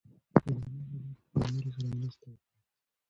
په بیړني حالاتو کې له نورو سره مرسته وکړئ.